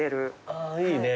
ああいいね。